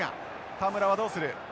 田村はどうする。